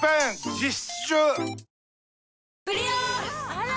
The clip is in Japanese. あら！